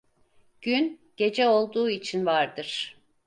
Gün, gece olduğu için vardır.